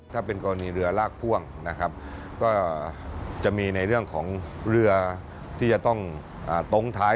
ถ้าเป็นกรณีเรือลากพ่วงนะครับก็จะมีในเรื่องของเรือที่จะต้องตรงท้าย